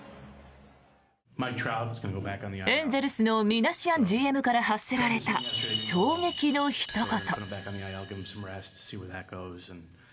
エンゼルスのミナシアンＧＭから発せられた衝撃のひと言。